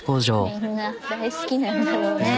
みんな大好きなんだろうね。